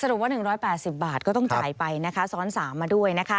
สนุกว่า๑๘๐บาทก็ต้องจ่ายไปนะฮะซ้อนสามมาด้วย